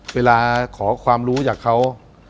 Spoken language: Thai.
เวลาขอความรู้จากเขา